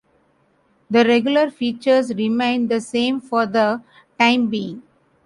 The regular features remain the same for the time being.